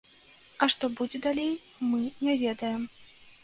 А што будзе далей, мы не ведаем.